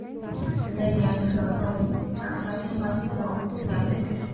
人的眼可分为感光细胞系统两部分。